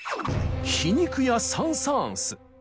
皮肉屋サン・サーンス。